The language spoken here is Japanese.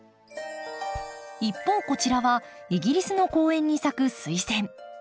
一方こちらはイギリスの公園に咲くスイセン。